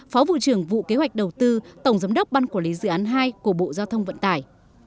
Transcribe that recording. phó vụ trưởng vụ kế hoạch đầu tư tổng giám đốc ban quản lý dự án hai của bộ giao thông vận tải